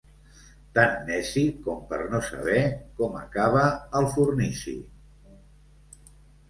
Tan neci com per no saber com acabar el fornici.